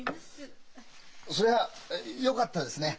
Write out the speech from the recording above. そりゃよかったですね。